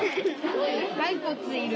骸骨いる。